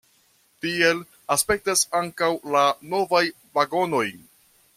Tiel aspektas ankaŭ la novaj vagonoj.